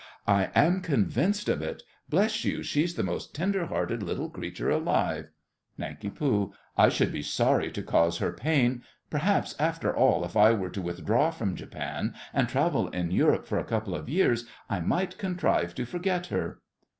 I am convinced of it. Bless you, she's the most tender hearted little creature alive. NANK. I should be sorry to cause her pain. Perhaps, after all, if I were to withdraw from Japan, and travel in Europe for a couple of years, I might contrive to forget her.